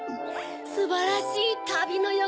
すばらしいたびのよ